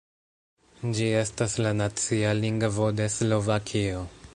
Ĝi estas la nacia lingvo de Slovakio.